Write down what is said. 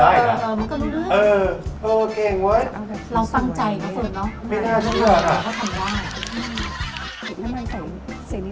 ดูสิ